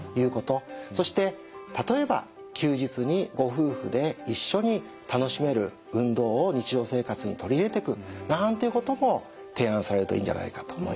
そして例えば休日にご夫婦で一緒に楽しめる運動を日常生活に取り入れてくなんていうことも提案されるといいんじゃないかと思いますね。